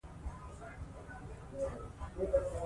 د خپلې ژبې قدر وپیژنئ.